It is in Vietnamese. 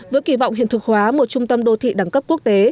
với kỳ vọng hiện thực hóa một trung tâm đô thị đẳng cấp quốc tế